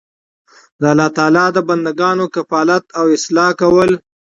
د الله تعالی د بندګانو کفالت او اصلاح کول